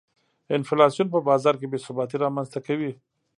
انفلاسیون په بازار کې بې ثباتي رامنځته کوي.